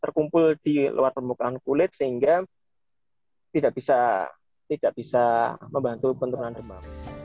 terkumpul di luar permukaan kulit sehingga tidak bisa membantu penurunan demam